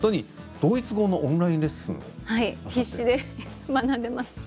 ドイツ語のオンラインレッスンですね。